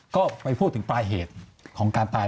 ก็ไปพูดถึงปลายเหตุของการตาย